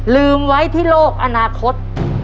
ลืมไว้ที่โลกอนาคต